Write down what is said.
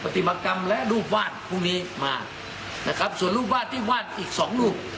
ติมากรรมและรูปวาดพวกนี้มานะครับส่วนรูปวาดที่วาดอีกสองรูป